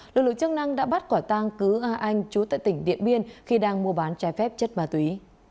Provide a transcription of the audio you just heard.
lực lượng chức năng đã bắt quả tang cứ a anh chú tại tỉnh điện biên khi đang mua bán trái phép chất ma túy